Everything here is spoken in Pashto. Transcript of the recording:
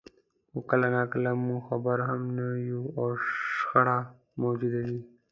خو کله ناکله موږ خبر هم نه یو او شخړه موجوده وي.